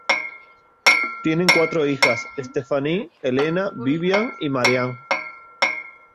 Tienen cuatro hijas Stephanie, Elena, Vivian y Marianne.